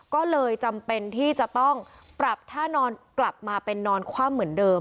ก็เลยจำเป็นที่จะต้องปรับท่านอนกลับมาเป็นนอนคว่ำเหมือนเดิม